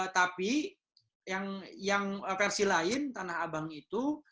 tapi yang versi lain tanah abang itu